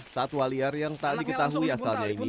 satwa liar yang tak diketahui asalnya ini